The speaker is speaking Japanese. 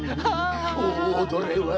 おんどれは